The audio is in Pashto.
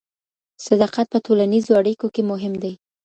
صداقت په ټولنيزو اړيکو کي مهم دی.